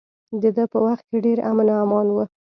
د ده په وخت کې ډیر امن و امان و.